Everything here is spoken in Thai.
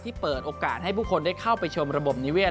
เปิดโอกาสให้ผู้คนได้เข้าไปชมระบบนิเวศ